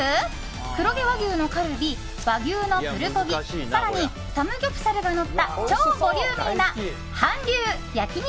黒毛和牛のカルビ和牛のプルコギ更にサムギョプサルがのった超ボリューミーな韓流焼肉